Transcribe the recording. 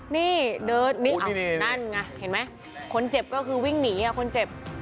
นี่เดินนี่นั่นไงเห็นไหมคนเจ็บก็คือวิ่งหนีคนเจ็บ